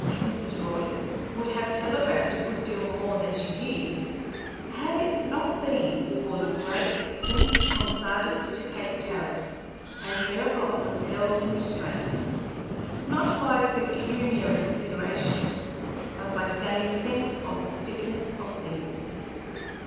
Mrs. Raleigh would have telegraphed a good deal more than she did had it not been for the great expense from Sardis to Cape Tariff, and Sarah Block was held in restraint, not by pecuniary considerations, but by Sammy's sense of the fitness of things.